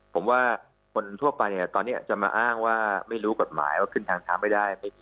ผมว่าคนทั่วไปเนี่ยตอนนี้จะมาอ้างว่าไม่รู้กฎหมายว่าขึ้นทางเท้าไม่ได้